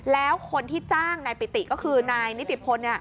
แล้วคนที่จ้างนายปิติก็คือนายนิติพล